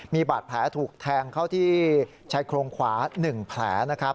มีบาดแผลถูกแทงเข้าที่ชายโครงขวา๑แผลนะครับ